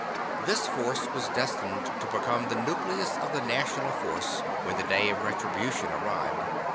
This force was destined to become the nucleus of the national force, when the Day of Retribution arrived.